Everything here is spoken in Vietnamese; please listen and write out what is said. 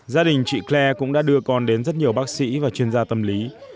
gia đình chị cre cũng đã đưa con đến rất nhiều bác sĩ và chuyên gia tâm lý